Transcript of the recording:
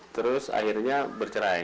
terus akhirnya bercerai